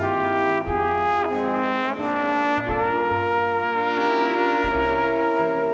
โปรดติดตามต่อไป